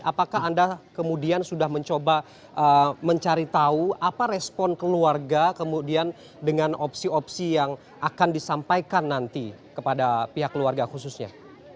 apakah anda kemudian sudah mencoba mencari tahu apa respon keluarga kemudian dengan opsi opsi yang akan disampaikan nanti kepada pihak keluarga khususnya